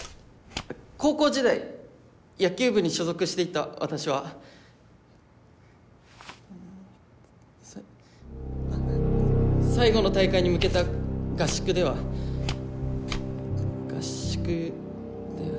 高校時代野球部に所属していた私はさ最後の大会に向けた合宿では合宿で。